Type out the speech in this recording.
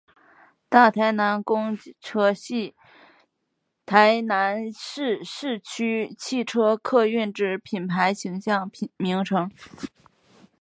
大台南公车系台南市市区汽车客运之品牌形象名称。